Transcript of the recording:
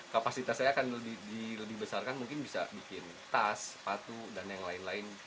kapasitas saya akan dilebih besarkan mungkin bisa bikin tas sepatu dan yang lain lain